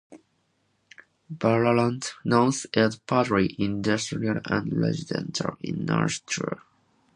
Ballarat North is partly industrial and residential in nature.